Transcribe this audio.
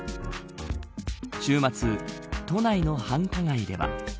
週末、都内の繁華街では。